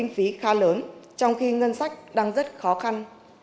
kinh phí khá lớn trong khi ngân sách đang rất khó khăn